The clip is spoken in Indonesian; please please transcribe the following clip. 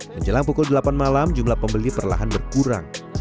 menjelang pukul delapan malam jumlah pembeli perlahan berkurang